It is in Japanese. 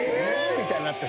⁉みたいになって。